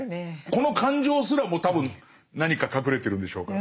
この感情すらも多分何か隠れてるんでしょうか。